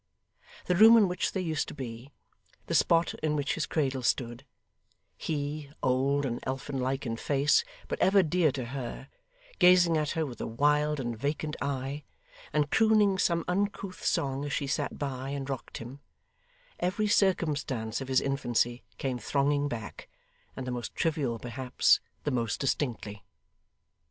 The room in which they used to be; the spot in which his cradle stood; he, old and elfin like in face, but ever dear to her, gazing at her with a wild and vacant eye, and crooning some uncouth song as she sat by and rocked him; every circumstance of his infancy came thronging back, and the most trivial, perhaps, the most distinctly.